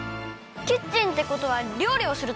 キッチンってことはりょうりをするところ？